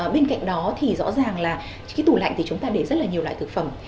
bên cạnh đó thì rõ ràng là cái tủ lạnh thì chúng ta để rất là nhiều loại thực phẩm